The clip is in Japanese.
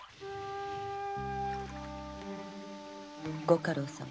ご家老様